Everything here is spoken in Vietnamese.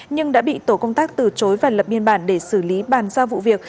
nhưng đã bị tổ công tác từ chối và lập biên bản để xử lý bàn giao vụ việc